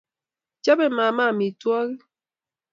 Chobe mama amitwogik